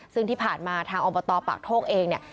ซึ่งที่ผ่านมาทางออมประตอบปากโทษเองเนี่ย